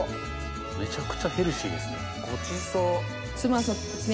めちゃくちゃヘルシーですね。